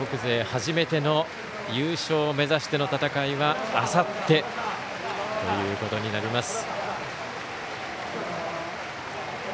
初めての優勝を目指しての戦いはあさってということになります。